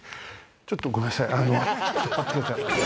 ちょっとごめんなさい。